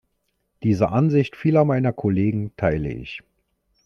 Diese Ansicht vieler meiner Kollegen teile ich.